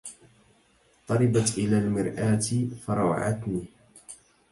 طربت إلى المرآة فروعتني